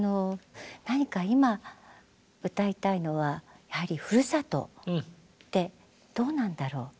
何か今歌いたいのはふるさとってどうなんだろう。